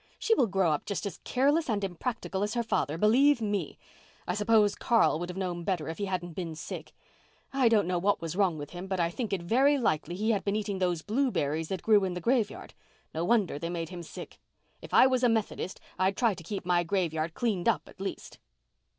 "She will grow up just as careless and impractical as her father, believe me. I suppose Carl would have known better if he hadn't been sick. I don't know what was wrong with him, but I think it very likely he had been eating those blueberries that grew in the graveyard. No wonder they made him sick. If I was a Methodist I'd try to keep my graveyard cleaned up at least."